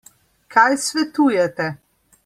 Kaj svetujete?